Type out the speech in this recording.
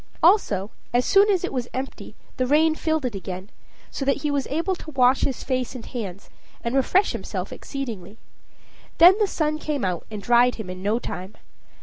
Also, as soon as it was empty the rain filled it again, so that he was able to wash his face and hands and refresh himself exceedingly. Then the sun came out and dried him in no time.